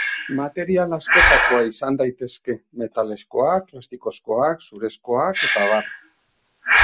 Material askotakoa izan daitezke: metalezkoak, plastikozkoak, zurezkoak eta abar.